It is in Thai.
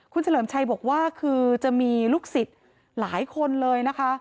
คุณเฉลิมชัยบอกว่าคือจะมีลูกศิษย์หลายคนเลยนะคะ